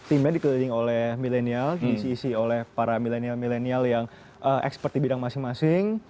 timnya dikeliling oleh milenial diisi isi oleh para milenial milenial yang ekspert di bidang masing masing